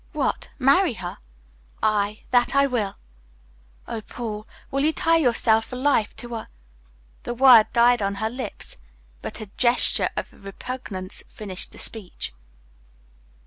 "What, marry her?" "Aye, that I will." "Oh Paul, will you tie yourself for life to a " The word died on her lips, but a gesture of repugnance finished the speech.